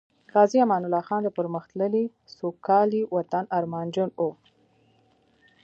غازی امان الله خان د پرمختللي، سوکالۍ وطن ارمانجن وو